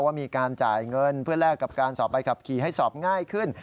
ว่ามีการจ่ายเงินเพื่อแลกกับการสอบใบขับขี่ให้สอบง่ายขึ้น